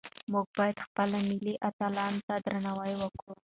موږ باید خپل ملي اتلانو ته درناوی وکړو.